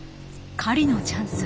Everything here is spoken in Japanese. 狩りのチャンス。